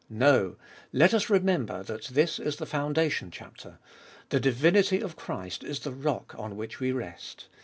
No, let us remember that this is the founda tion chapter. The divinity of Christ is the rock on which we rest.